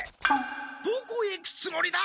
どこへ行くつもりだ？